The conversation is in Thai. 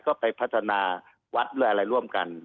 ก็ไปพัฒนาวัดด้วยอะไรร่วมกัน